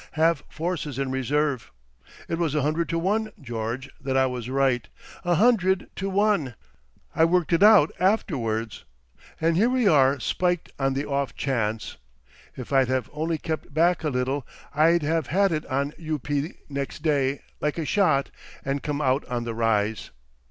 Have forces in reserve. It was a hundred to one, George, that I was right—a hundred to one. I worked it out afterwards. And here we are spiked on the off chance. If I'd have only kept back a little, I'd have had it on U.P. next day, like a shot, and come out on the rise.